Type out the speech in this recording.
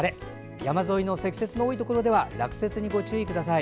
山沿いの積雪の多いところでは落雪にご注意ください。